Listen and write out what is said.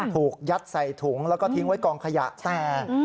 ถูกยัดใส่ถุงแล้วก็ทิ้งไว้กองขยะแต่